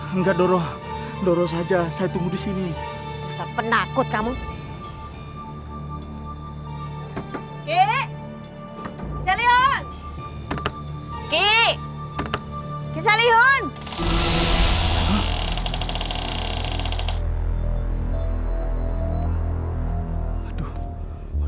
enggak dong kamu di sini itu cuma nganterin aku ingat itu udah kamu diem aja disitu